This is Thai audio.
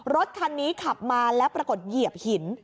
รถคันนี้ขับมาแล้วปรากฏเหยียบหิน